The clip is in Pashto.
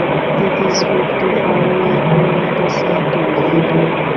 فېسبوک د خوږو یادونو د ساتلو ځای دی